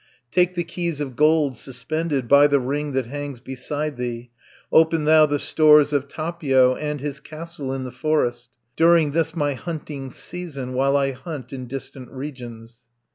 50 "Take the keys of gold, suspended By the ring that hangs beside thee, Open thou the stores of Tapio, And his castle in the forest, During this my hunting season, While I hunt in distant regions.